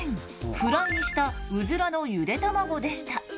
フライにしたうずらのゆで卵でした。